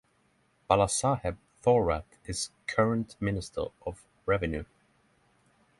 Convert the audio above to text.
Balasaheb Thorat is Current Minister of Revenue.